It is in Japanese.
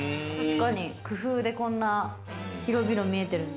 工夫でこんな広々見えてるんだ。